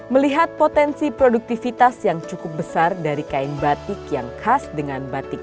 melihat potensi produktivitas yang cukup besar dari kain batik yang khas dengan batik